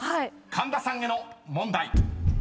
［神田さんへの問題］